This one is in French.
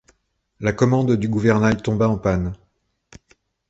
La commande du gouvernail tomba en panne.